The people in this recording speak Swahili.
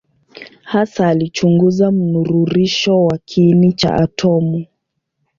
Hasa alichunguza mnururisho wa kiini cha atomu.